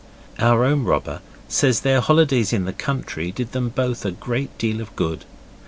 Our own robber says their holidays in the country did them both a great deal of good.